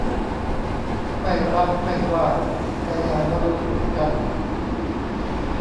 ไม่รักไม่ว่า แต่อย่ามาดูถูกกัน